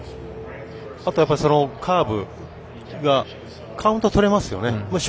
あと、やっぱりカーブがカウントとれますよね。